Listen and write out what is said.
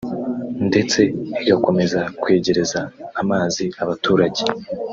ndetse igakomeza kwegereza amazi abaturage